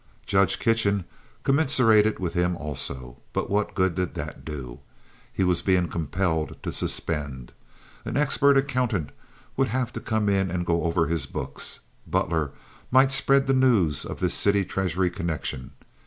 Judge Kitchen commiserated with him also; but what good did that do? He was being compelled to suspend. An expert accountant would have to come in and go over his books. Butler might spread the news of this city treasury connection.